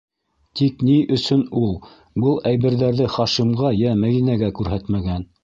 Тик ни өсөн ул был әйберҙәрҙе Хашимға йә Мәҙинәгә күрһәтмәгән?